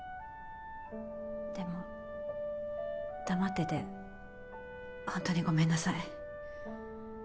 でも黙ってて本当にごめんなさい。